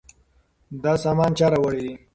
دا سامان چا راوړی دی؟